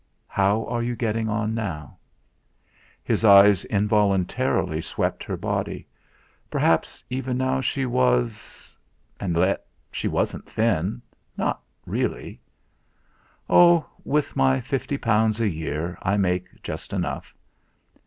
How are you getting on now?" His eyes involuntarily swept her body. Perhaps even now she was ! And yet she wasn't thin not really! "Oh! with my fifty pounds a year, I make just enough."